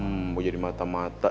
mau jadi mata mata